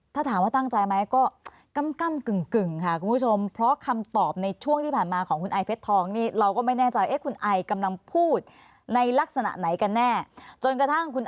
ถ้าถามว่าตั้งใจไหมก็กำกึ่งค่ะคุณผู้ชม